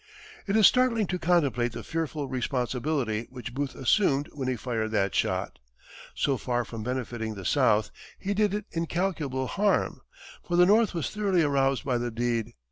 It is startling to contemplate the fearful responsibility which Booth assumed when he fired that shot. So far from benefiting the South, he did it incalculable harm, for the North was thoroughly aroused by the deed.